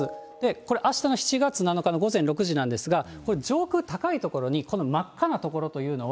これ、あしたの７月７日の午前６時なんですが、これ、上空、高い所にこの真っ赤な所というのは。